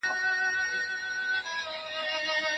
زغم د نویو نظریاتو د منلو لپاره اړین دی.